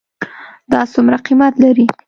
دا څومره قیمت لري ?